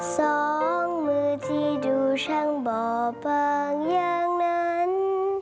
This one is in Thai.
สองมือที่ดูช่างบ่อบางอย่างนั้น